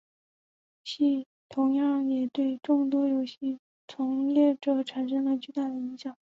游戏同样也对众多游戏从业者产生了巨大影响。